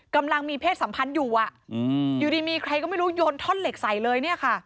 กำลังมีเพศสัมพันธ์อยู่อยู่ดีมีใครก็ไม่รู้โยนท่อนเหล็กใส่เลยเนี่ยค่ะ